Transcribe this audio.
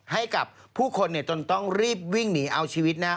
ให้กับผู้คนจนต้องรีบวิ่งหนีเอาชีวิตนะ